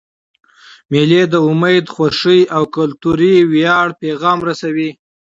مېلې د امید، خوښۍ، او کلتوري ویاړ پیغام رسوي.